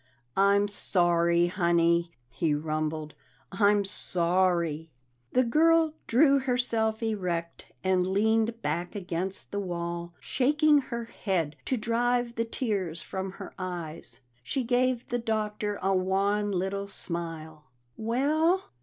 "I'm sorry, Honey," he rumbled. "I'm sorry." The girl drew herself erect and leaned back against the wall, shaking her head to drive the tears from her eyes. She gave the Doctor a wan little smile. "Well?"